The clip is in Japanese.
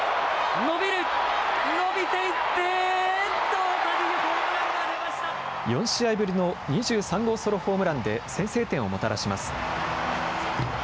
伸びる、伸びていって、４試合ぶりの２３号ソロホームランで、先制点をもたらします。